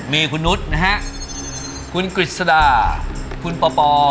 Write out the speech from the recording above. มีคุณนุษย์นะฮะคุณกฤษดาคุณปป